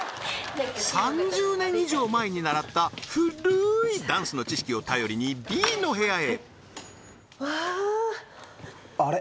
３０年以上前に習った古ーいダンスの知識を頼りにＢの部屋へうわーあれ？